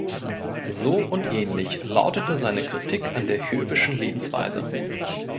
So und ähnlich lautete seine Kritik an der höfischen Lebensweise.